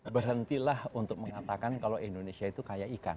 berhentilah untuk mengatakan kalau indonesia itu kaya ikan